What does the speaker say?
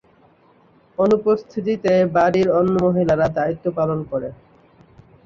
অনুপস্থিতিতে বাড়ির অন্য মহিলারা দায়িত্ব পালন করে।